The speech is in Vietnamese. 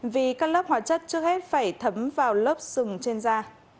vì các lớp hóa chất trước hết phải thấm vào lớp sừng trên da